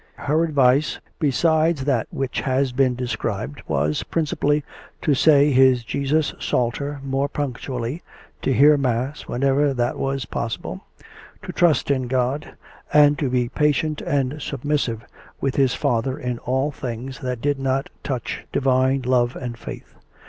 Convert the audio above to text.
Her advice, besides that which has been described, was, princi pally, to say his Jesus Psalter more punctually, to hear mass whenever that were possible, to trust in God, and to be patient and submissive with his father in all things that did not touch divine love and faith.